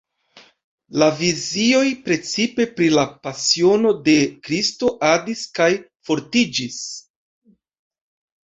La vizioj, precipe pri la Pasiono de Kristo, adis kaj fortiĝis.